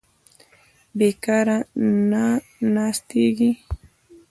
بېکاره نه ناستېږي.